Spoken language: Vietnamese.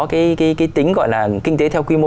cái tính gọi là kinh tế theo quy mô